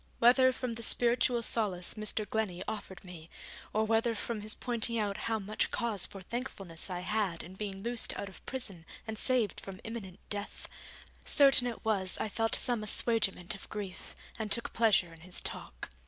Whether from the spiritual solace Mr. Glennie offered me, or whether from his pointing out how much cause for thankfulness I had in being loosed out of prison and saved from imminent death, certain it was I felt some assuagement of grief, and took pleasure in his talk.